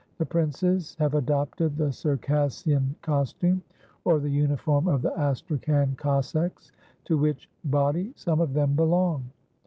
The princes have adopted the Circassian costume, or the uniform of the Astrakhan Cossacks, to which body some of them belong.